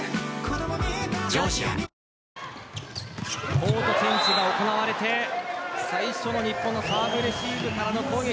コートチェンジが行われて最初の日本のサーブレシーブからの攻撃。